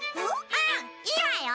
うんいいわよ。